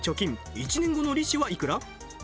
１年後の利子はいくら？